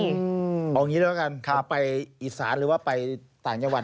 เอาอย่างนี้ดีกว่ากันไปอีสานหรือว่าไปต่างยาวัน